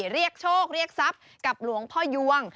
เรียกโชคเรียกทรัพย์กับหลวงพ่อยวง